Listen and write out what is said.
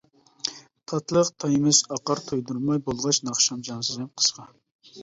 تاتلىق تايمىس، ئاقار تۇيدۇرماي، بولغاچ ناخشام جانسىز ھەم قىسقا.